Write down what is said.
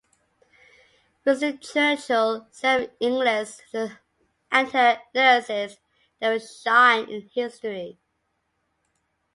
Winston Churchill said of Inglis and her nurses they will shine in history.